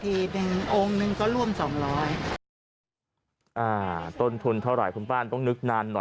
อีกหนึ่งองค์หนึ่งก็ร่วมสองร้อยอ่าต้นทุนเท่าไหร่คุณป้าต้องนึกนานหน่อย